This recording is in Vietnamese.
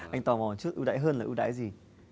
anh tò mò trước ưu đãi hơn là ưu đãi gì